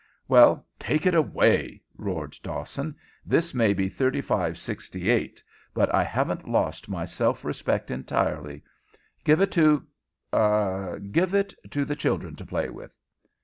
"Well, take it away," roared Dawson. "This may be 3568, but I haven't lost my self respect entirely. Give it to ah give it to the children to play with."